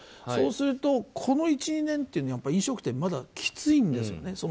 そうするとこの１２年というのは飲食店はまだきついんですね。